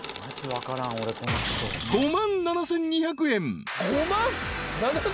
５万７，０００円！？